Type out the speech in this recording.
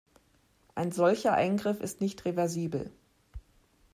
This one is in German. Ein solcher Eingriff ist nicht reversibel.